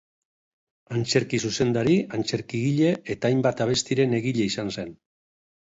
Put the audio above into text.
Antzerki zuzendari, antzerkigile eta hainbat abestiren egile izan zen.